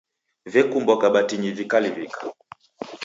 Vekumbwa kabatinyi vikaliw'ika.